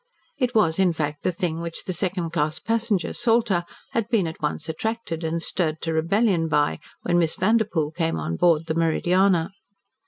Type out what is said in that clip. It was, in fact, the thing which the second class passenger, Salter, had been at once attracted and stirred to rebellion by when Miss Vanderpoel came on board the Meridiana.